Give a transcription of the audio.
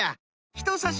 ひとさし